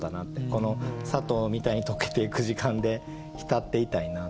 この「砂糖みたいに溶けてゆく」時間で浸っていたいなっていう。